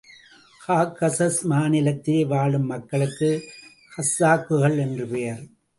Caucasus மாநிலத்திலே வாழும் மக்களுக்கு கஸ்ஸாக்குகள் என்று பெயர்.